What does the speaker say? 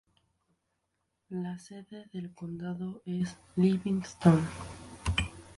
La sede del condado es Livingston.